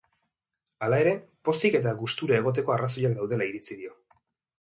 Hala ere, pozik eta gustuta egoteko arrazoiak daudela irtizi dio.